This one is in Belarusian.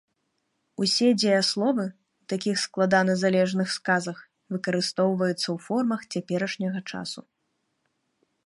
Усе дзеясловы ў такіх складаназалежных сказах выкарыстоўваюцца ў формах цяперашняга часу.